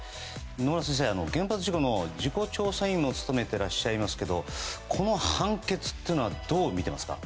野村先生、原発事故の調査委員も務められていらっしゃいますけどこの判決っていうのはどう見ていますか？